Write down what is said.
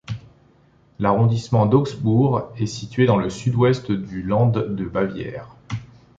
L'arrondissement d'Augsbourg est situé dans le sud-ouest du land de Bavière.